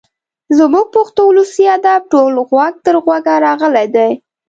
زموږ پښتو ولسي ادب ټول غوږ تر غوږه راغلی دی.